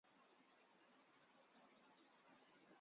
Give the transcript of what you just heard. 细裂条叶丝瓣芹为伞形科丝瓣芹属条叶丝瓣芹的变种。